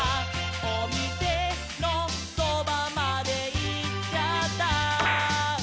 「おみせのそばまでいっちゃった」